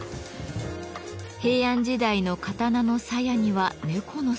平安時代の刀の鞘には猫の姿が。